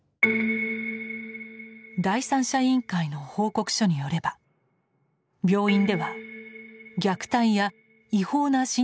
第三者委員会の報告書によれば病院では虐待や違法な身体拘束が横行。